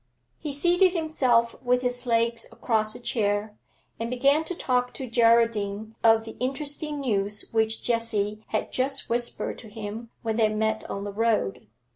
He seated himself with his legs across a chair, and began to talk to Geraldine of the interesting news which Jessie had just whispered to him when they met on the road.